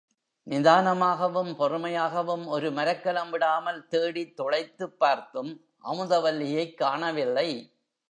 நிதானமாகவும் பொறுமையாகவும், ஒரு மரக்கலம் விடாமல் தேடித் துளைத்துப் பார்த்தும் அமுதவல்லியைக் காணவில்லை.